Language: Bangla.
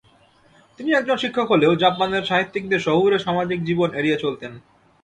তিনি একজন শিক্ষক হলেও জাপানের সাহিত্যিকদের শহুরে সামাজিক জীবন এড়িয়ে চলতেন।